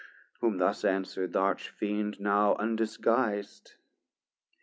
Whom thus answer'd th' Arch Fiend now undisguis'd.